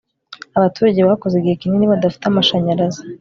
abaturage bakoze igihe kinini badafite amashanyarazi